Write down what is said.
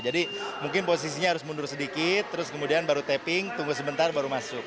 jadi mungkin posisinya harus mundur sedikit terus kemudian baru tapping tunggu sebentar baru masuk